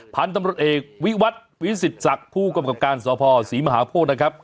พันธุ์ตำรวจเอกวิวัตรวิสิตศักดิ์ผู้กำกับการสภศรีมหาโพธินะครับ